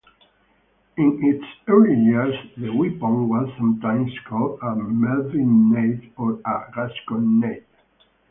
In its early years, the weapon was sometimes called a "mellvinade" or a "gasconade".